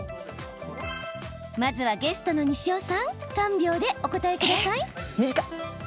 まずはゲストの西尾さん３秒でお答えください。